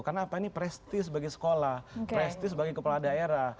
karena apa ini prestis bagi sekolah prestis bagi kepala daerah